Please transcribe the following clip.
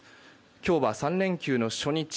今日は３連休の初日。